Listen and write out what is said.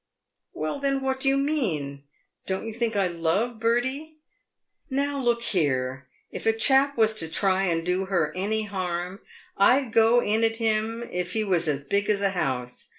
" "Well, then, what do you mean ? Don't you think I love Bertie ? Now, look here, if a chap was to try and do her any harm, I'd go in at him if he was as big as a house.